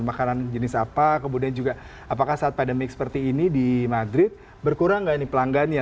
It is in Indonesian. makanan jenis apa kemudian juga apakah saat pandemik seperti ini di madrid berkurang nggak nih pelanggannya